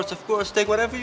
tentu ambil aja mbak